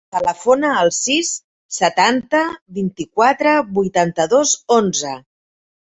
Telefona al sis, setanta, vint-i-quatre, vuitanta-dos, onze.